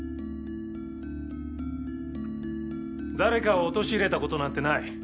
誰かを陥れたことなんてない。